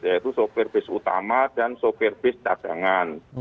yaitu sopir bus utama dan sopir bus cadangan